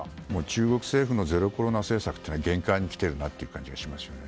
中国政府のゼロコロナ政策は限界にきているという感じがしますよね。